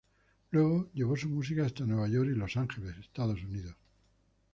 Luego llevó su música hasta Nueva York y Los Angeles, Estados Unidos.